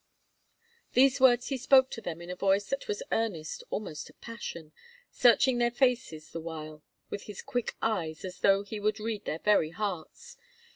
These words he spoke to them in a voice that was earnest almost to passion, searching their faces the while with his quick eyes as though he would read their very hearts.